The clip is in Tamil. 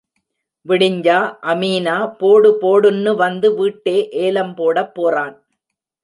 விடிஞ்சா அமீனா போடு போடுன்னு வந்து வீட்டே ஏலம் போடப் போறான்.